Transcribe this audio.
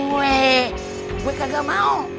gue kagak mau